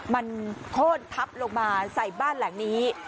มันโค้นทับลงมาใส่บ้านหลังนี้